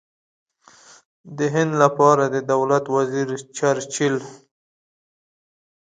د هند لپاره د دولت وزیر چرچل.